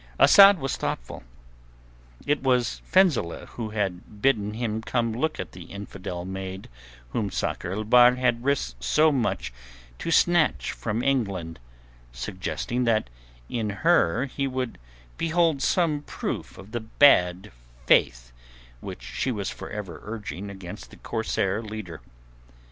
Asad was thoughtful. It was Fenzileh who had bidden him come look at the infidel maid whom Sakr el Bahr had risked so much to snatch from England, suggesting that in her he would behold some proof of the bad faith which she was forever urging against the corsair leader.